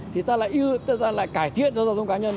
thì ta lại cải thiện cho giao thông cá nhân